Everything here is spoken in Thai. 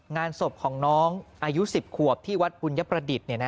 งานศพของน้องอายุ๑๐ขวบที่วัดบุญยประดิษฐ์